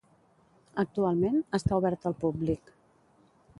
Actualment, està obert al públic.